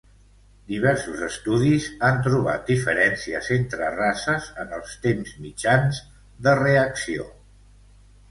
Diversos estudis han trobat diferències entre races en els temps mitjans de reacció.